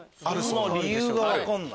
理由が分からない？